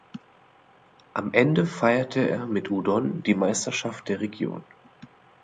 Am Ende feierte er mit Udon die Meisterschaft der Region.